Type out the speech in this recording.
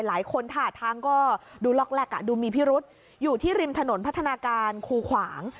หลายคนท่าทางก็ดูล็อกแรกดูมีพิรุษอยู่ที่ริมถนนพัฒนาการคูขวาง